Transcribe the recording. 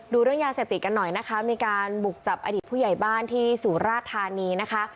เรื่องยาเสพติดกันหน่อยนะคะมีการบุกจับอดีตผู้ใหญ่บ้านที่สุราธานีนะคะ